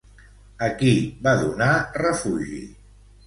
A qui va donar refugi?